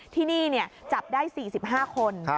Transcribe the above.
ที่นี่จับได้๔๕คน